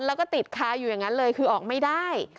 แล้วก็ติดค้าอยู่อย่างนั้นเลยคือออกไม่ได้